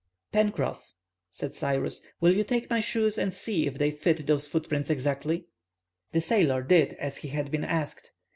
"Pencroff," said Cyrus, "will you take my shoes and see if they fit those footprints exactly?" The sailor did as he had been asked.